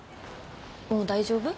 もう大丈夫？